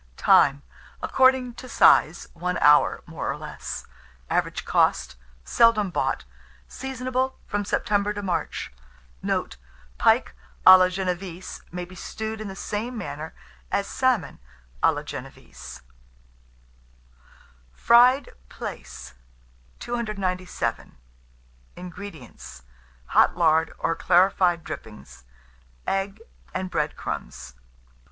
Time. According to size, 1 hour, more or less. Average cost. Seldom bought. Seasonable from September to March. Note. Pike à la génévese may be stewed in the same manner as salmon à la génévese. FRIED PLAICE. 297. INGREDIENTS. Hot lard, or clarified dripping; egg and bread crumbs.